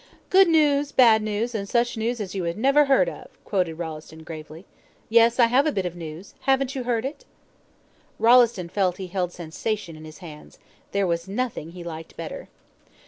"Good news, bad news, and such news as you have never heard of," quoted Rolleston gravely. "Yes, I have a bit of news haven't you heard it?" Rolleston felt he held sensation in his hands. There was nothing he liked better.